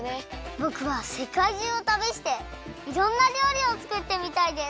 ぼくはせかいじゅうをたびしていろんなりょうりをつくってみたいです。